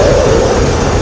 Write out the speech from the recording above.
itu udah gila